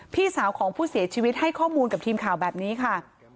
พี่สาวของผู้เสียชีวิตให้ข้อมูลกับทีมข่าวแบบนี้ค่ะ